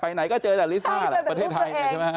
ไปไหนก็เจอล้าลิซ่าอ่ะประเทศไทย